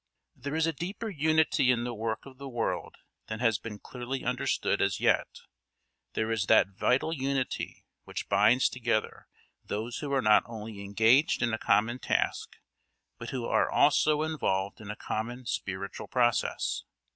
There is a deeper unity in the work of the world than has been clearly understood as yet; there is that vital unity which binds together those who are not only engaged in a common task, but who are also involved in a common spiritual process.